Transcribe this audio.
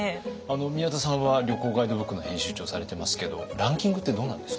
宮田さんは旅行ガイドブックの編集長をされてますけどランキングってどうなんですか？